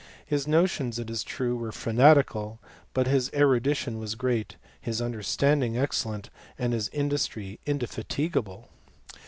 His notions, kis truCy were fanatical ; but his erudition was great, Ul understanding excellent, and his industry indefati |tHe.